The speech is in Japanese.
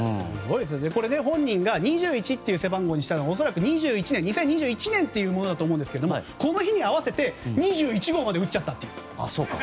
本人が２１という背番号にしたのはおそらく２０２１年というものだと思うんですけどこの日に合わせて２１号まで打っちゃったという。